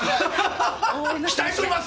期待しています。